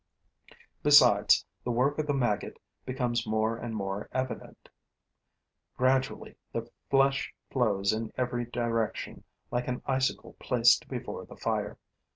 Besides, the work of the maggot becomes more and more evident. Gradually, the flesh flows in every direction like an icicle placed before the fire.